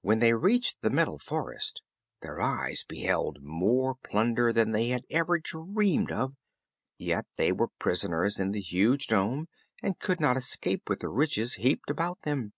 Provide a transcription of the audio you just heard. When they reached the Metal Forest their eyes beheld more plunder than they had ever dreamed of; yet they were prisoners in this huge dome and could not escape with the riches heaped about them.